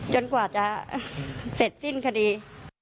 กว่าจะเสร็จสิ้นคดี